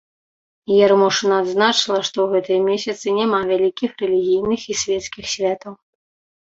Ярмошына адзначыла, што ў гэтыя месяцы няма вялікіх рэлігійных і свецкіх святаў.